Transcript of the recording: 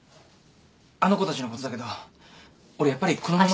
あの子たちのことだけど俺やっぱりこのまま。